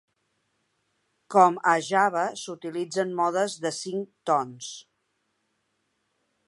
Com a Java, s'utilitzen modes de cinc tons.